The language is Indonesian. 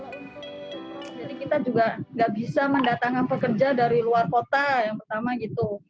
jadi kita juga nggak bisa mendatangkan pekerja dari luar kota yang pertama gitu